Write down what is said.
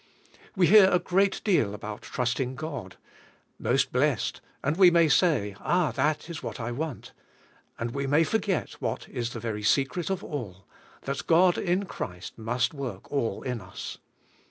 We hear a great deal about trusting God. Most blessed! And we may say: "Ah, that is what I want," and we may forget what is the ver}^ secret of all, — that God, in Christ, must Vv'ork all in us.